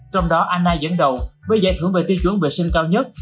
trong đó anna dẫn đầu với giải thưởng về tiêu chuẩn vệ sinh cao nhất